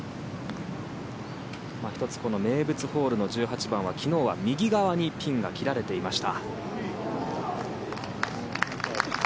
１つ、この名物ホールの１８番は昨日は右側にピンが切られていました。